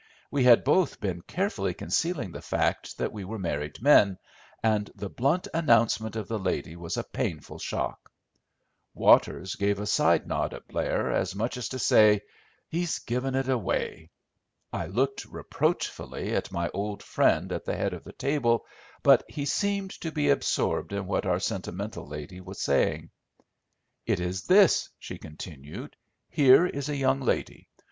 We had both been carefully concealing the fact that we were married men, and the blunt announcement of the lady was a painful shock. Waters gave a side nod at Blair, as much as to say, "He's given it away." I looked reproachfully at my old friend at the head of the table, but he seemed to be absorbed in what our sentimental lady was saying. "It is this," she continued. "Here is a young lady.